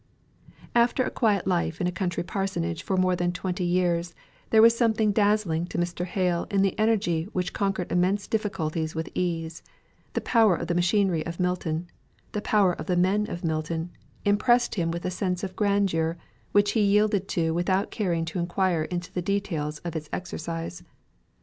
After a quiet life in a country parsonage for more than twenty years, there was something dazzling to Mr. Hale in the energy which conquered immense difficulties with ease; the power of the machinery of Milton, the power of the men of Milton, impressed him with a sense of grandeur, which he yielded to without caring to inquire into the details of its exercise.